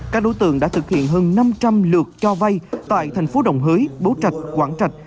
các đối tượng đã thực hiện hơn năm trăm linh lượt cho vay tại thành phố đồng hới bố trạch quảng trạch